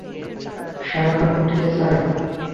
Sheraton হোটেলে, sir?